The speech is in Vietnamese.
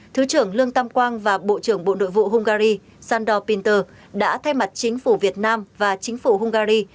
thứ trưởng lương tam quang và bộ trưởng bộ nội vụ hungary sandor pinter đã thay mặt chính phủ việt nam và chính phủ hungary